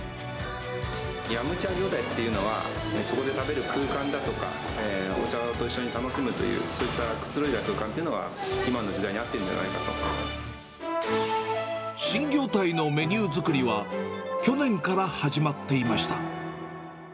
飲茶業態っていうのは、そこで食べる空間だとか、お茶と一緒に楽しむという、そういったくつろいだ空間っていうのが、今の時代に合ってるんじゃないか新業態のメニュー作りは、去年から始まっていました。